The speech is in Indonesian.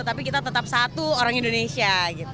tapi kita tetap satu orang indonesia